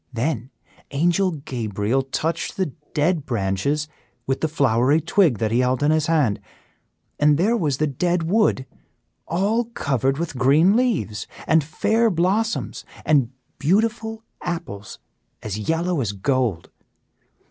"Then Angel Gabriel touched the dead branches with the flowery twig that he held in his hand, and there was the dead wood all covered with green leaves, and fair blossoms and beautiful apples as yellow as gold.